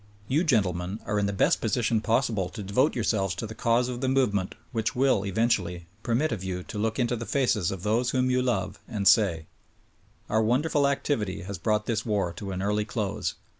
You, gentlemen, are in the best position possible to devote yourselves to the cause of the movement which will, eventually, permit of you to look into the faces of those whom you love and say : "Our wonderful activity has brought this Avar to an early close.